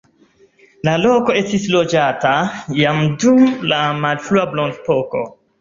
La loko estis loĝata jam dum la malfrua bronzepoko.